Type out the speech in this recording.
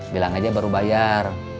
bilang aja baru bayar